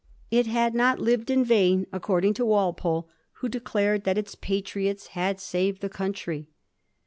It had not lived iQ vain, according to Walpole, who declared that its patriots had saved the country.